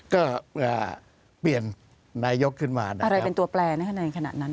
ก็เปลี่ยนนายกขึ้นมาอะไรเป็นตัวแปลในขณะนั้น